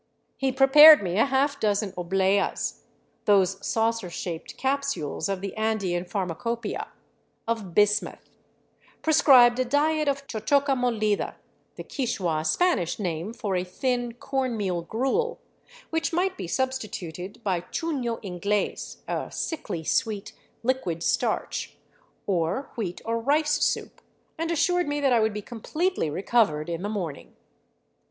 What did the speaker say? He prepared me a half dozen ohleas, — those saucer shaped capsules of the Andean pharmacopoeia — of bismuth, prescribed a diet of chochoca molida — the Quichua Spanish name for a thin cornmeal gruel — which might be substituted by chuno ingles, a sickly sweet liquid starch — or wheat or rice soup, and assured me that I would be completely recovered in the morning.